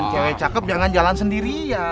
cewek cakep jangan jalan sendirian